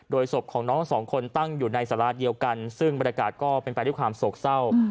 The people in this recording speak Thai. ศพของน้องทั้งสองคนตั้งอยู่ในสาราเดียวกันซึ่งบรรยากาศก็เป็นไปด้วยความโศกเศร้า